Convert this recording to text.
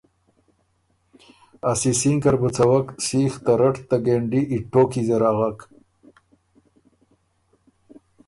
ا سِسِینکه ر بُو څَوَک سیخ ته رټ ته ګېنډی ای ټوکی زر اغوک۔